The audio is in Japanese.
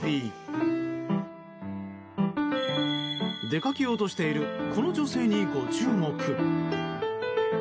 出かけようとしているこの女性にご注目。